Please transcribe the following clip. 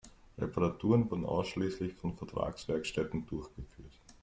Reparaturen wurden ausschließlich von Vertragswerkstätten durchgeführt.